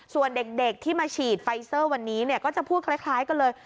ส่วนเด็กที่มาฉีดไฟเซอร์วันนี้ก็จะพูดคล้ายกันเลย